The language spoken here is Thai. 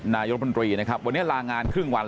นายรัฐมนตรีนะครับวันนี้ลางานครึ่งวัน